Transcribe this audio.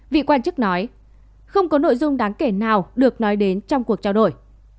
vị quan chức nói không có nội dung đáng kể nào được nói đến trong cuộc trao đổi